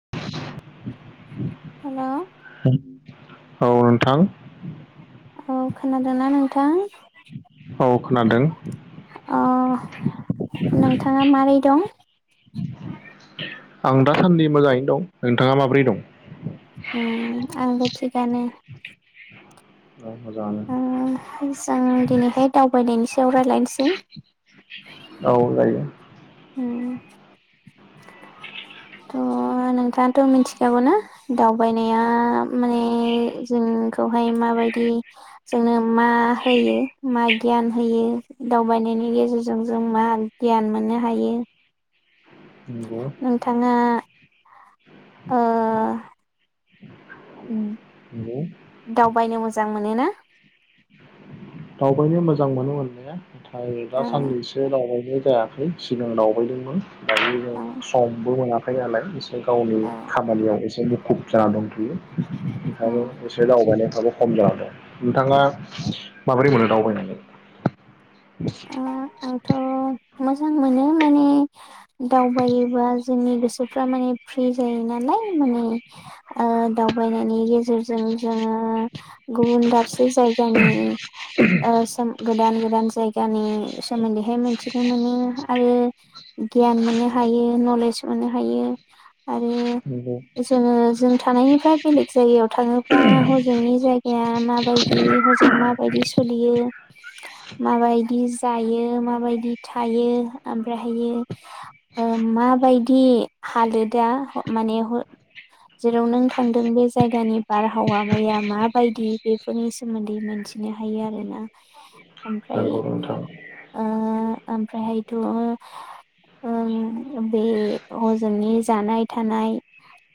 [inaudible] Hello. औ नोंथां। औ खोनादोना नोंथां? औ खोनादों अ नोंथाङा मारै दं? सान्दि मोजाङैनो दं नोंथाङा माब्रै दं? उम आंबो ओह जों दिनैहाय दावबायनायनि सायाव रायलायनोसै। औ जायो। उम। थ' नोंथाङाथ' मिथिखागौना दावबायनाया माने जों बेखौहाय माबायदि जोंनो मा होयो मा गियान होयो दावबायनायनि गेजेरजों जों मा गियान मोननो हायो नंगौ नोंथाङा [inaudible] [unintelligible] उम। औ [unintelligible] दावबायनो मोजां मो नोना? दावबायनो मोजां मोनो मोननाया। नाथाय दा ओ साननैसो दावबायनो जायाखै सिगां दावबायदोंमोन। दायो औ समबो मोना खै नालाय इसे गावनि औ खामानियाव एसे मु खुब जाना दंथ' यो ओंखायनो औ एसे दावबायनायफ्राबो खम जाना दं। नोंथाङा माबोरै मोनो दावबायनानै? ओ आंथ' मोजां मोनो माने दावबायोबा जोंनि गोसोफ्रा माने फ्रि जायो नालाय माने ओ दावबायनायनि गेजेरजों जोङो गुबुन दाबसे जायगानि ओ सो गोदान-गोदान जाय गानि सोमोन्दैहाय मिथिनो मोनो आरो गियान मोननो हायो। नलेज मोननो हायो। आरो नंगौ जोङो जों थानायनिफ्राय बेलेक जायगायाव थाङोबा हजोंनि जाय गाया माबायदि हजों माबायदि सोलियो माबायदि जायो। माबायदि थायो ओमफ्रायहायो माबायदि हालोदा माने जेराव नों थांदों बे जायगानि बारहावा माया माबायदि बेफोरनि सोमोन्दै मोनथिनो हायो आरोना । ओमफ्राय नंगौ नोंथां ओ ओमफ्रायहायथ' ओ बे हजोंनि जानाय थानाय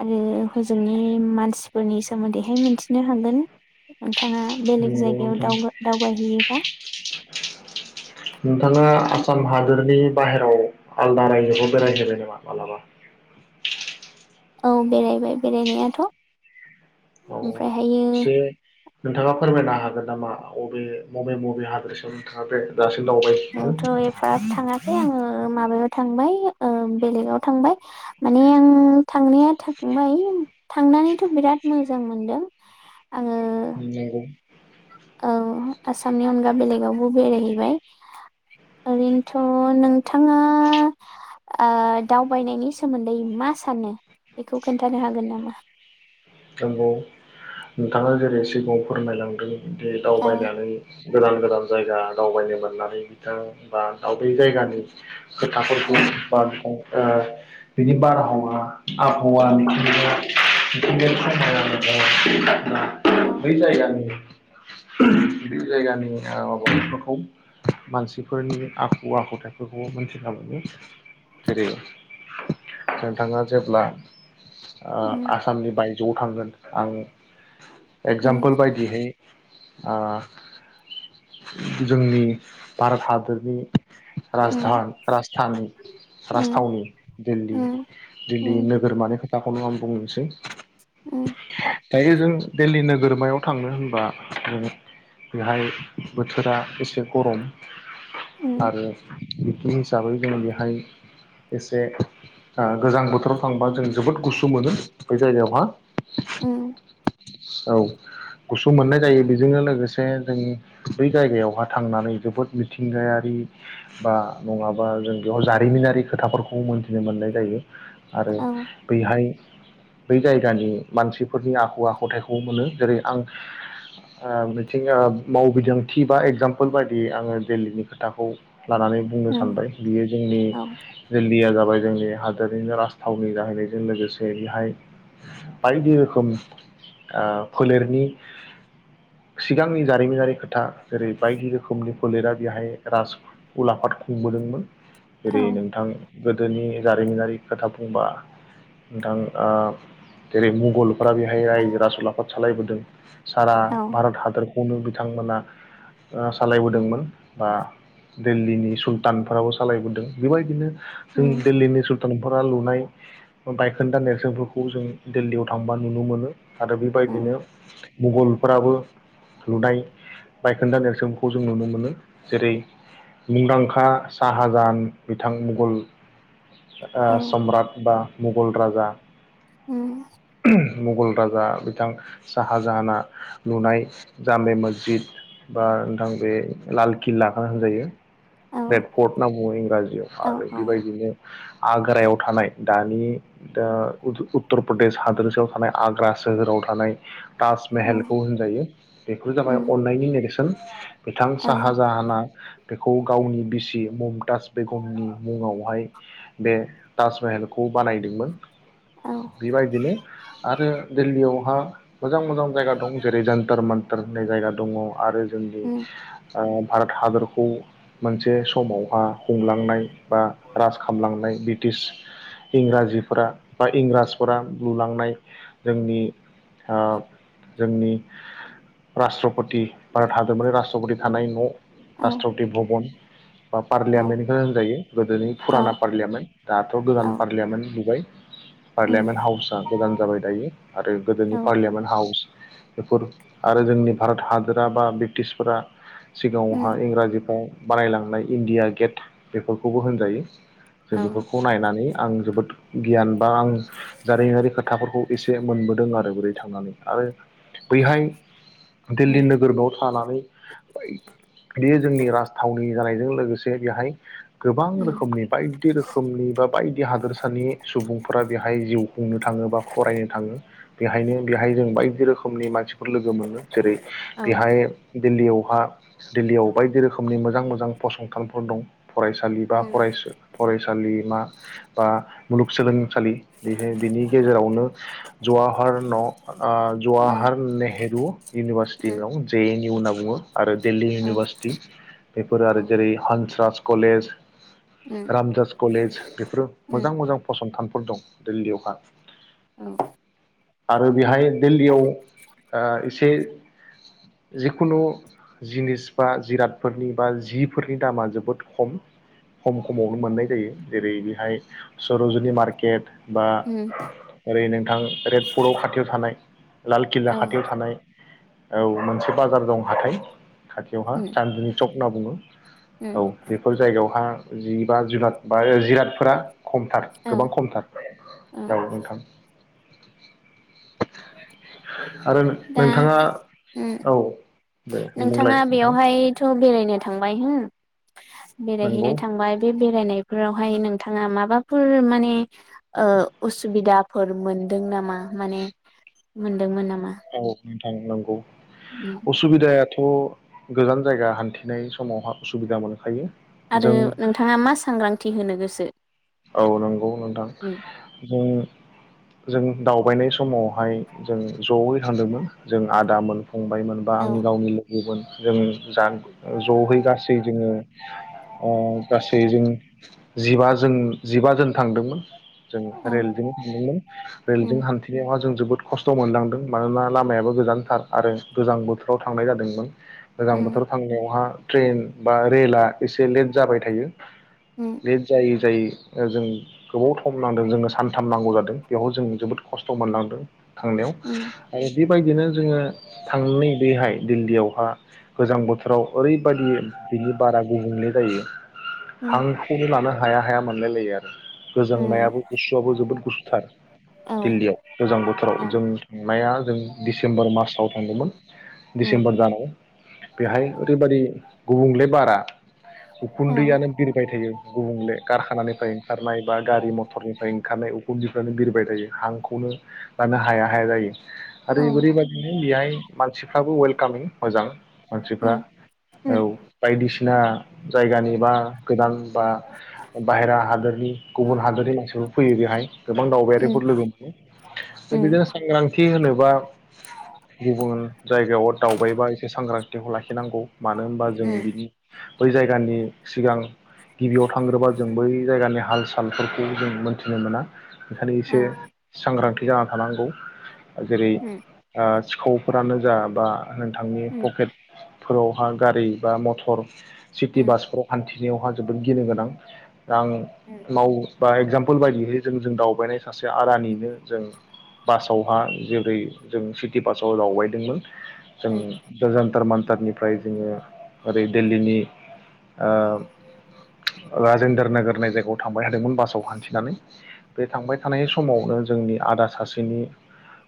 आरो हजोंनि मानसिफोरनि सोमोन्दैहाय मिथिनो हागोन। नोंथाङा बेलेग नंगौ जायगायाव नोंथां दावबाय-दावबायहैयोबा । नोंथाङा आसाम हादोरनि बाहेराव आलदा रायजोखौ बेरायहोबाय नामा मालाबा? औ बेरायबाय बेरायनायाथ' औ । एसे नोंथाङा फोरमायनो हागोन नामा? अबे मबे मबे हादरसायाव माबे दासिम दावबाय हैखो? फ्राय आङो माबायाव थांबाय। बेलेगाव थांबाय माने आं थांनाया थांबाय थांनानैथ' बिराद मोजां मोनदों। आङो उम नंगौ। औ आसामनि अनगा बेलेगावबो बेरायहैबाय। ओरैनोथ' नोंथाङा ़ दावबायनायनि सोमोन्दै मा सानो? बेखौ खोन्थानो हागोन नामा? नोंगौ नोंथाङा जेरै सिगाङाव फोरमायलांदों दे औ दावबायनानै गोदान गोदान जायगा दावबायनो मोननानै बिथां बा दाबै जायगानि औ खोथाफोरखौ बा ओ बिनि बारहावा आबहावा औ मिथिंगा [inaudible] बै औ जायगानि बे जायगानि [inaudible] मानसिफोरनि आखु आखुथाइफोरखौ मोन्थिना मोनो। जेरै नोंथाङा जेब्ला ओ उम आसामनि बाय ज' थांगोन आं उम एक्जामपोल बायदिहै ओ जोंनि भारत हादोरनि उम राजधान राजथान उम राजथावनि दिल्ली, दिल्ली उम नोगोर मानि खो थाखौनो आं बुंनोसै। उम। दायो जों दिल्ली नोगोरमायाव थांनो होनबा जों बेहाय बोथोरा एसे गरम। उम आरो बिदिनि हिसाबै जोङो बेहाय एसे गोजां बोथोराव थांबा जों जोबोद गुसु मोनो बै जायगायावहा। उम। औ गुसु मोननाय जायो। बेजोंनो लोगोसे जों बै जायगायावहााय थांनानै जोबोद मिथिंगायारि बा नङाबा जों बेवयाव जारिमिनारि खोथाफोरखौ मोनथिनो मोननाय जायो। आरो औ बैहाय बै जायगानि मानसिफोरनि आखु-आ खुथाइखौ मोनो। जेरै आं ओ मिथिं मावबिदांथि बा एगजामपोल बायदियै आङो दिल्लीनि खोथाखौ लानानै बुंनो उम सानबाय बियो जोंनि औ दिल्लीया जाबाय जोंनि हादोरनिनो राजथावनि जाहैनायजों लोगोसे बेहाय बायदि रोखोम ओ फोलेरनि सिगांनि जारिमिनारि खोथा जेरै बायदि रोखोमनि फोलेरा बेहाय राज उलाआफाद खुंबोदोमोन। औ जेरै नोंथां गोदोनि जारिमिनारि खोथा बुंबा नोंथां ओ जेरै मुगलफोरा बेहाय राय जो राजउलाफाद सालायबोदों। सारा औ भारत हादरखौनो बिथांमोना ओ सालायबोदोंमोन बा दिल्लीनि सुलतानफोराबो सालायबोदों। बेबायदिनो उम जोंनि दिल्लीनि सुलतान फोरा लुनाय बायखोन्दा नेर्सोनफोरखौ जों दिल्लीयाव थांबा नुनो मोनो। आरो बेबायदिनो मुगल फोराबो लुनाय बायखोन्दा नेरसोनखौ जों नुनो मोनो जेरै मुंदांखा साहाजाहान बिथां मुगल ओ सम्राट बा मुगल राजा उम मुगल राजा बिथां साहा जाहाना नुनाय जामि मस्जिद बा नोंथां बे लाल किल्लाखोनो होनजायो रेडफर्ट होनना बुङो इंराजियाव आरो बेबायदिनो आग्रायाव थानाय। दानि दो उत उत उत्तर प्रदेश हादोरसायाव थानाय आग्रा सोहोराव थानाय ताजमहेलखौ होनजायो बेखौ जाबाय अन्नायनि नेरेसोन बिथां साहा जाहाना बेखौ गावनि बिसि ममताज बेगमनि मुङावहाय बे ताज मेहलखौ बानायदोंमोन। बेबायदिनो आरो दिल्लीयावहा मोजां मोजां जायगा दं जेरै जानटार मोन होननाय जायगा दङ आरो जोंनि ओ भारत हादरखौ मोनसे समावहा हमलांनाय बा राज खालामामलांनाय ब्रिटिश इंराजिफोरा बा इंराज लुलांनाय जोंनि ओ जोंनि राष्ट्रपति भारत हादरमारि रास्ट्रपति थानाय न' रास्ट्रपति भबन बा पार्लियामेन्टखो होनजायो गोदोनि फुराना पार्लियामेन्ट दाथ' गोदान पार्लियामेन्ट नुबाय पार्लियामेन्ट हाउसाआ गोदान जाबाय दायो आरो गोदोनि पार्लियामेन्ट हाउस बेफोर आरो जोंनि भारत हादरा बा ब्रिटिशफोरा सिगाङावहा इंराजिफ्राव बानायलांनाय इण्डिया गेट बेफोरखौबो होनजायो जों बेफोरखौ नायनानै आं जोबोद गियान बा आं जारिमिनारि खोथाफोरखौ एसे मोनबोदों आरो बोरै थांनानै आरो। बैहाय दिल्ली नोगोरमयाव थानानै बे जोंनि राजथावनि। जानायजों लोगोसे बेहाय। गोबां रोखोमनि बायदि रोखोमनि बा बायदि हादोरसानि सुबुंफोरा। बेहाय जिउ खुंनो थाङो बा फरायनो थाङो। बेहायनो बेहाय जों बायदि रोखोमनि मानसि। फोर लोगो मोनो जेरै बेहाय दिल्लीयाव। हा दिल्लीयाव बायदि रोखोमनि मोजां-मोजां फसंथानफोर दं। फरायसालि बा फराय-फराय फरायसालिमा बा मुलुग सोलोंसालि। बिनि गेजेरावनो जवाहारलाल नेहरु इउनिभारसिटिखौ जे एन इउ होनना बुंदों। आरो दिल्ली इउनिभारसिटि बेफोर आरो जेरै- हन्स राज कलेज रामदास कलेज बेफोरो मोजां-मोजां फसंथान। खुन्दुं। दिल्लि अखार औ। आरो बेहाय दिल्लीयाव एसे जिखुनु जिनिस बा जिरादफोरनि बा जिफोरनि दामा जोबोद खम खम खमावनो मोननाय जायो जेरै- बेहाय सरजुलि मार्केट बा ओरै नोंथां रेड फर्टआव खाथियाव थानाय लालकिल्ला खाथियाव थानाय औ मोनसे बाजार दं हाथाय खाथियावहा सान्दुनि सख होनना बुङो। औ बेफोर जायगायावहा। जि बा जिरादफोरा खमथार गोबां खमथार। जाव नोंथां। आरो दा नोंथाङा उम, औ। दे बुंलाय नोंथाङा नोंथां बेवहायथ बेरायनो थांबाय हो बेरायहैनो नंगौ थांबाय बे बेरायनाय बे फोरावहाय नोंथाङा माबाफोर माने उसुबिदाफोर मोनदों नामा माने मोनदोंमोन नामा औ। थांनांगौ। उम असुबिदाया थ' गोजान जायगा हान्थिनाय समावहा उसुबिदा मोनखायो। आरो जों नोंथाङा मा सांग्रांथि होनो गोसो औ नंगौ नोंथां। उम जों दावबायनाय समावहाय जों जयै थांदोंमोन जों आदा मोन फंबायमोन बा औ आंनि गावनि लोगोमोन जों जा जयै गासै जोङो गासै जों जिबा जों जिबाजोन थांदोंमोन जों रेलजोंनो थांदोंमोन रेलजों उम हान्थिनायाव जों जोबोद खस्थ' मोनलांदों मानोना लामायाबो गोजानथार आरो गोजां बोथोराव थांनाय जादोंमोन गोजां उम बोथोर थांनायावहा ट्रेन बा रेला एसे लेट जाबाय थायो उम लेट जायै जायै जों गोबाव सम नांदों जोङनो सानथाम नांगौ जादों बेवहाय जों जोबोद खस्थ' मोनलांदों थांनायाव उम आरो बेबायदिनो जोङो थांनाय बेहाय दिल्लीयाव आ गोजां बोथोराव ओरैबायदि बिनि बारा गुबुंले जायो उम हांखौनो लानो हाया हाया मानो [unintelligible] उम गोजांनायाबो गुसुआबो जोबोद गुसु थार औ दिल्लीयाव गोजां बोथोराव औ जों थांनाया जों डिसेम्बर मासाव थांदोंमोन उम दिडिसेम्बर दानाव बेहाय ओरैबायदि गुबुंले बारा औ उखुन्दैयानो बिरबाय थायो गुबुंले गार खानानिफ्राय ओंखारनाय बा गारि मथरनिफ्राय ओंखारनाय उखुन्दैफ्रानो बिरबाय थायो हांखौनो लानो हाया हाया जायो आरो औ उम बेैबायदिनो बेहाय मानसिफ्राबो वेलकामिं मोजां मानसिफ्रा उम औ उम बायदिसिना जायगानि बा गोदान बा बाहेरा हादोरनि गुबुन हादरनि मानसिफोर फैयो बेहाय गोबां उम दावबायारिफोर लोगो मोनो उम बिदिनो सांग्रांथि होनोबा गुबुन जायगायाव दावबायबा एसे सांग्रांथिखौ लाखिनांगौ मानो होनबा जों बिनि बै जायगानि सिगां गिबियाव थांग्रोबा जों बै जायगानि हाल सालफोरखौ जों मोनथिनो मोना ओंखायनो औ एसे सांग्रांथि जाना थानांगौ जेरै उम सिखावफोरानो जा बा नोंथांनि उम पकेटफोरावहा गारि बा मथर सिटि उम बासफोराव हान्थिनायावहा जोबोद गिनो गोनां आं माव बा एगजामपोल बायदिहै जों जों दावबायनाय सासे आरानिनो जों बासावहा जेरोरै जों सिटि बासाव दावबायदोंमोन जों उम उम गोजानथार मान्थारनिफ्राय जोङो ओरै दिल्लीनि ओ ओ जेन्द्रोर नोगोर होनाय जायगायाव थांबाय थादोंमोन बासाव हान्थिनानै बे थांबाय थानाय समावनो जोंनि आदा सासेनि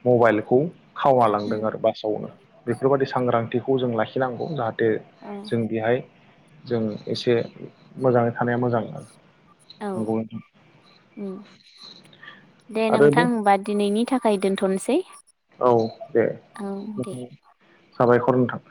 मबाइलखौ खाव लांदों आरो बासावनो बेफोरबायदि सांग्रां बेखौ जों लाखिनांगौ जाहाथे थे जों औ बेहाय जों एसे मोजाङै थानाया मोजां आरो औ नंगौ नोंथां उम दे आरो बे नोंथां होनबा दिनैनि थाखाय दोनथ'नोसै औ दे [unintelligible] औ साबायखर नोंथां